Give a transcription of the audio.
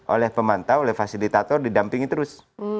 oleh pemantau oleh fasilitator didampingi terus